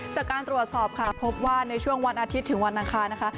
จากการตรวจสอบค่ะพบว่าในช่วงวันอาทิตย์ถึงวันอังคารนะคะ